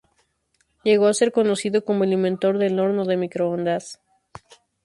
Llegó a ser conocido como el inventor del horno microondas.